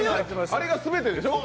あれが全てでしょ？